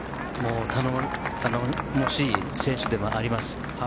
頼もしい選手でもあります。